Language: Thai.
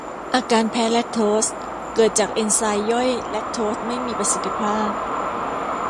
อาการแพ้แลคโทสเกิดจากเอนไซม์ย่อยแลคโทสไม่มีประสิทธิภาพ